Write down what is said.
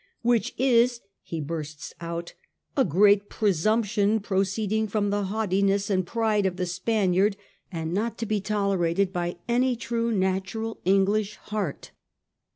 " Which is," he bursts out^ *' a great presumption, proceeding from the haughtiness and pride of the Spaniard, and not to be tolerated by any true natural English heart."